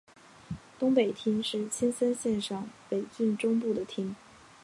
东北町是青森县上北郡中部的町。